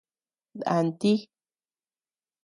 Dànti.